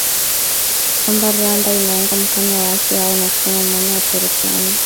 kwamba Rwanda inaunga mkono waasi hao na kusema maana ya ushirikiano